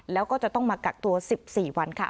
แล้วก็จะต้องมากักตัว๑๔วันค่ะ